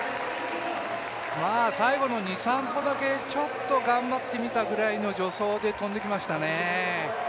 最後の２、３歩だけちょっと頑張った感じの助走で跳んできましたね。